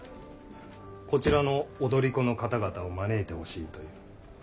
こちらの踊り子の方々を招いてほしいという。